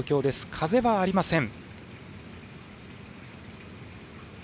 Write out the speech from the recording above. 風はありません。